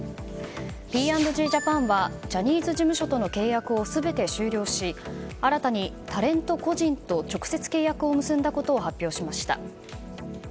Ｐ＆Ｇジャパンはジャニーズ事務所との契約を全て終了し新たにタレント個人と直接契約を結んだことを発表しました。